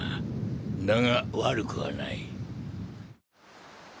だが悪くはない。